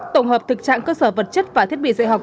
tổng hợp thực trạng cơ sở vật chất và thiết bị dạy học